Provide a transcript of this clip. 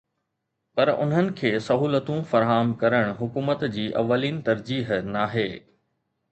پر انهن کي سهولتون فراهم ڪرڻ حڪومت جي اولين ترجيح ناهي